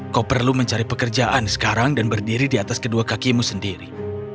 kau perlu mencari pekerjaan sekarang dan berdiri di atas kedua kakimu sendiri